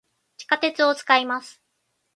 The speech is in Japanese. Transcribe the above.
地下鉄を、使います。